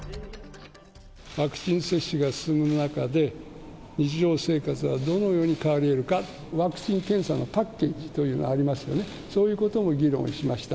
ワクチン接種が進む中で、日常生活はどのように変わりえるか、ワクチン検査のパッケージというのがありますよね、そういうことを議論しました。